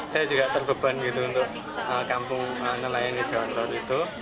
saya juga terbeban untuk kampung nelayan di jawa tenggara itu